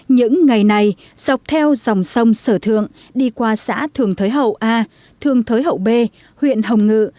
những ngày này dọc theo dòng sông sở thượng đi qua xã thường thới hậu a thường thới hậu bê huyện hồng ngự